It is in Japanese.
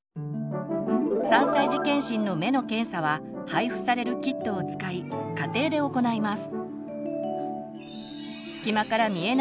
３歳児健診の目の検査は配布されるキットを使い家庭で行います。